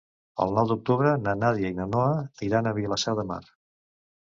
El nou d'octubre na Nàdia i na Noa iran a Vilassar de Mar.